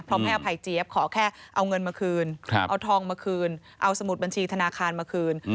ให้อภัยเจี๊ยบขอแค่เอาเงินมาคืนเอาทองมาคืนเอาสมุดบัญชีธนาคารมาคืน